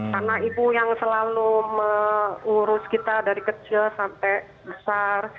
karena ibu yang selalu mengurus kita dari kecil sampai besar